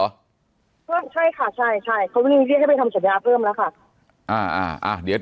ใช่ค่ะเขาเรียกให้ไปทำสัญญาเริ่มแล้วค่ะ